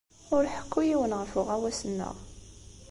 Ur ḥekku i yiwen ɣef uɣawas-nneɣ.